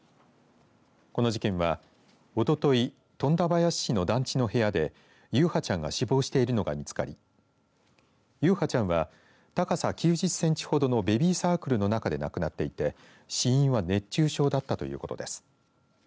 この事件は、おととい富田林市の団地の部屋で優陽ちゃんが死亡しているのが見つかり優陽ちゃんは高さ９０センチほどのベビーサークルの中で亡くなっていて死因は熱中症だったということです。